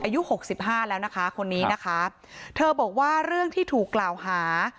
หกสิบห้าแล้วนะคะคนนี้นะคะเธอบอกว่าเรื่องที่ถูกกล่าวหา